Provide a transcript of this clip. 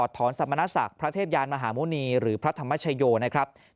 ถอดถอนสมณสักพระเทพยานมหาโมนีหรือพระธรรมชโยนะครับ